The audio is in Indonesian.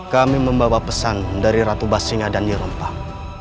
kami membawa pesan dari ratu basenger dan yerompak